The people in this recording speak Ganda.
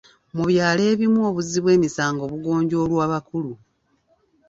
Mu byalo ebimu obuzzi bw'emisango bugonjoolwa bakulu.